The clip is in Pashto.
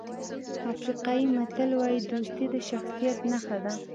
افریقایي متل وایي دوستي د شخصیت نښه ده.